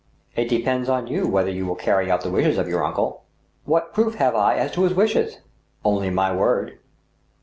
" It depends on you whether you will carry out the wishes of your uncle." What proof have I as to his wishes ?"" Only my word."